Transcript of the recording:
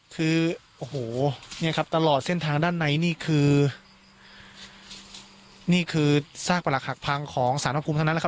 คือโอ้โหเนี่ยครับตลอดเส้นทางด้านในนี่คือนี่คือซากประหลักหักพังของสารพระภูมิเท่านั้นแหละครับ